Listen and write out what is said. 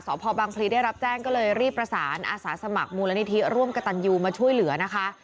พ่อบังพลีได้รับแจ้งก็เลยรีบประสานอาสาสมัครมูลนิธิร่วมกระตันยูมาช่วยเหลือนะคะ